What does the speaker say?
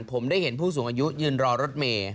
ผมได้เห็นผู้สูงอายุยืนรอรถเมย์